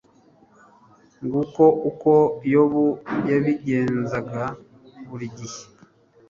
nguko uko yobu yabigenzaga buri gihe